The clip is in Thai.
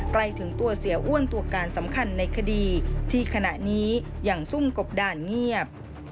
ใกล้ถึงตัวเสียอ้วนตัวการสำคัญในคดีที่ขณะนี้ยังซุ่มกบด่านเงียบ